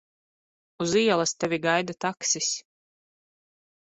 Uz ielas tevi gaida taksis.